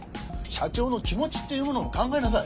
社長の気持ちっていうものも考えなさい。